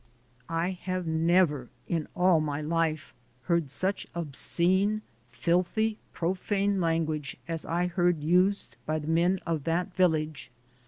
I have never in all my life heard such obscene, filthy, profane language as I heard used by the men of that village.